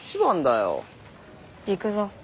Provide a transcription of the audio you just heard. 行くぞ。